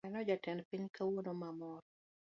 Aneno jatend piny kawuono ma amor